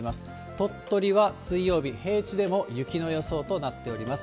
鳥取は水曜日、平地でも雪の予想となって下ります。